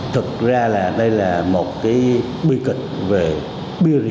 thực ra đây là một bí kịch về biên giới